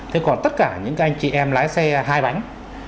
thế còn tất cả những anh chị em lái xe hai bánh